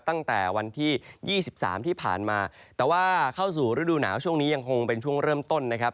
ตั้งแต่วันที่๒๓ที่ผ่านมาแต่ว่าเข้าสู่ฤดูหนาวช่วงนี้ยังคงเป็นช่วงเริ่มต้นนะครับ